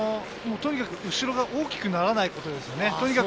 とにかく後ろが大きくならないことですよね。